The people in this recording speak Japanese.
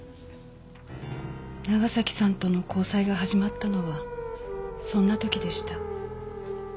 長崎さんとの交際が始まったのはそんな時でした。